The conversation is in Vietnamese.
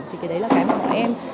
thì cái đấy là cái mà bọn em